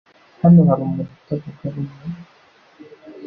Hano hari umuntu utavuga rumwe?